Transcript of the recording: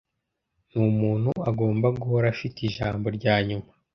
Numuntu agomba guhora afite ijambo ryanyuma.